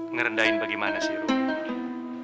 ngerendahin bagaimana sih rung